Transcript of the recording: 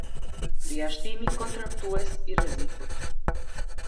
Përjashtimi kontraktues i rrezikut.